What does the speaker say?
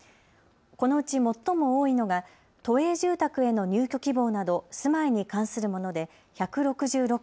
このうち最も多いのが都営住宅への入居希望など住まいに関するもので１６６件。